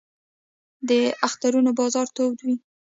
د اخترونو بازار تود وي